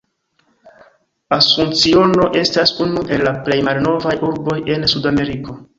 Asunciono estas unu el la plej malnovaj urboj en Sudameriko.